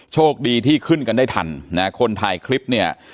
โชคดีที่ขึ้นกันได้ทันนะคนถ่ายคลิปเนี่ย